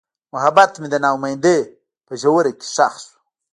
محبت مې د نا امیدۍ په ژوره کې ښخ شو.